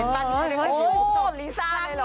โอ้โหลิซ่าเลยหรอ